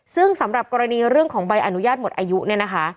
ซึ่งสำหรับกรณีเรื่องของใบอนุญาตหมดอายุเนี่ยนะคะ